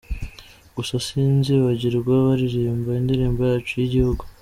Gusa sinzibagirwa baririmba indirimbo yacu y’igihugu.